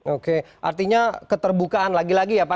oke artinya keterbukaan lagi lagi ya pak